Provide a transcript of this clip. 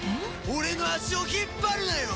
俺の足を引っ張るなよ。